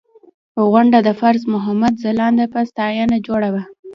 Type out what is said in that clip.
غونډه د فیض محمد ځلاند په ستاینه جوړه وه.